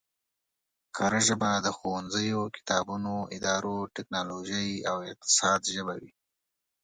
کره ژبه د ښوونځیو، کتابونو، ادارو، ټکنولوژۍ او اقتصاد ژبه وي